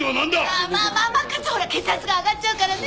まぁまぁまぁまぁ課長ほら血圧が上がっちゃうからね